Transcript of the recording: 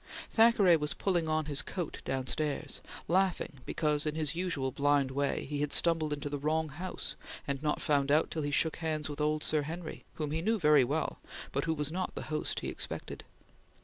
Thackeray was pulling on his coat downstairs, laughing because, in his usual blind way, he had stumbled into the wrong house and not found it out till he shook hands with old Sir Henry, whom he knew very well, but who was not the host he expected.